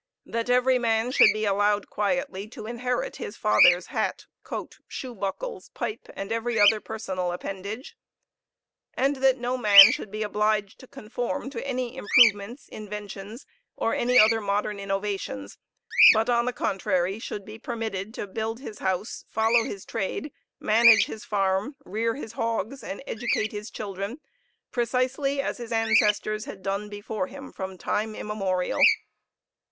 That every man should be allowed quietly to inherit his father's hat, coat, shoe buckles, pipe, and every other personal appendage; and that no man should be obliged to conform to any improvements, inventions, or any other modern innovations; but, on the contrary, should be permitted to build his house, follow his trade, manage his farm, rear his hogs, and educate his children, precisely as his ancestors had done before him from time immemorial.